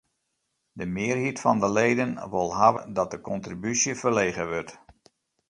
De mearheid fan de leden wol hawwe dat de kontribúsje ferlege wurdt.